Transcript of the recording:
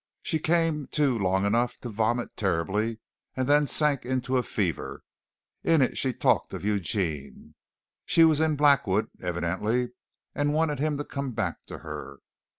She came to long enough to vomit terribly, and then sank into a fever. In it she talked of Eugene. She was in Blackwood, evidently, and wanted him to come back to her.